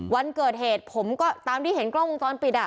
วันเกิดเหตุผมก็ตามที่เห็นกล้องวงจรปิด